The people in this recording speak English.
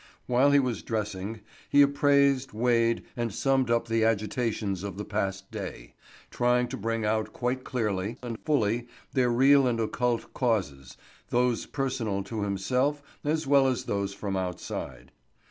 While he was dressing he appraised, weighed, and summed up the agitations of the past day, trying to bring out quite clearly and fully their real and occult causes, those personal to himself as well as those from outside.